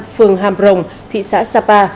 phường hàm rồng thị xã sapa